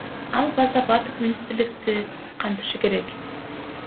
Ал база бардык министрликтерди камтышы керек.